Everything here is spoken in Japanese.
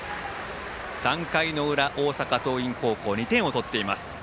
３回裏、大阪桐蔭高校が２点を取っています。